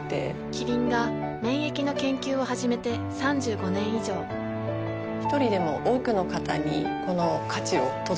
キリンが免疫の研究を始めて３５年以上一人でも多くの方にこの価値を届けていきたいと思っています。